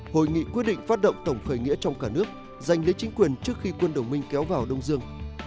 hội nghị quyết phát động tổng khởi nghĩa trong cả nước dành đến chính quyền trước khi quân đồng minh kéo vào đông dương